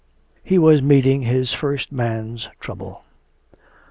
He was meeting his first man's trouble.